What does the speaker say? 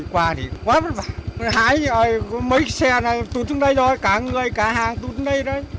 cây cầu chưa được sửa chữa vì nhu cầu mưu sinh mà vẫn phải đi liều cực chẳng đã